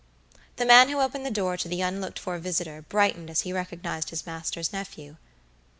The man who opened the door to the unlooked for visitor, brightened as he recognized his master's nephew.